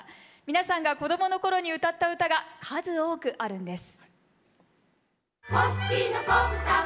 皆さんが子どものころに歌った歌が数多くあるんです。